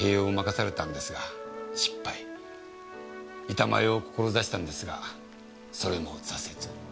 板前を志したんですがそれも挫折。